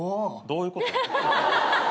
どういうこと？